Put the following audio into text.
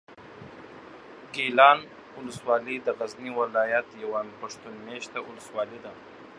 ګیلان اولسوالي د غزني ولایت یوه پښتون مېشته اولسوالي ده.